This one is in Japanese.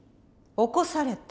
起こされた？